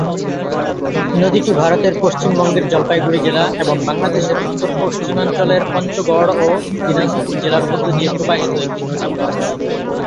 নদীটি ভারতের পশ্চিমবঙ্গের জলপাইগুড়ি জেলা এবং বাংলাদেশের উত্তর-পশ্চিমাঞ্চলের পঞ্চগড় ও দিনাজপুর জেলার মধ্য দিয়ে প্রবাহিত একটি নদী।